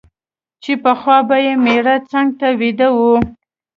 چي پخوا به یې مېړه څنګ ته ویده وو